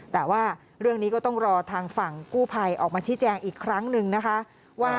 แต่ว่าเรื่องนี้ก็ต้องรอทางฝั่งกู้ภัยออกมาชี้แจงอีกครั้งหนึ่งนะคะว่า